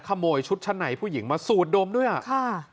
ขโมยชุดชั้นในผู้หญิงมาสูดดมด้วยอ่ะค่ะ